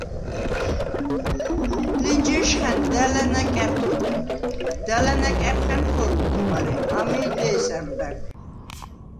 ლენჯე̄შხა̈ნ და̈ლა̈ ნაკა̈რთ’ ო̄დე, და̈ლა̈ ნაკა̈რხა̈ნ – ქორულთე, მარე ამეი დე̄ს’ ა̈მბა̈გვ.